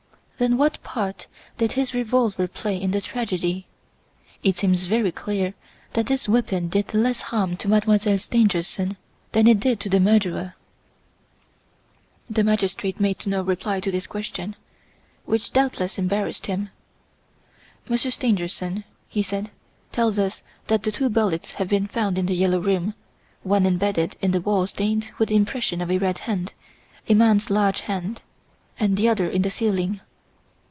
"Then what part did his revolver play in the tragedy? It seems very clear that this weapon did less harm to Mademoiselle Stangerson than it did to the murderer." The magistrate made no reply to this question, which doubtless embarrassed him. "Monsieur Stangerson," he said, "tells us that the two bullets have been found in "The Yellow Room", one embedded in the wall stained with the impression of a red hand a man's large hand and the other in the ceiling."